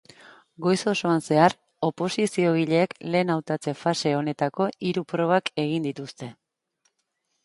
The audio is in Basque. Goiz osoan zehar, oposiziogileek lehen hautatze-fase honetako hiru probak egin dituzte.